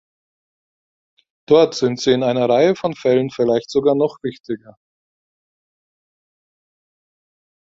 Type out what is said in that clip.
Dort sind sie in einer Reihe von Fällen vielleicht sogar noch wichtiger.